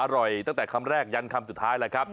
ตั้งแต่คำแรกยันคำสุดท้ายแหละครับ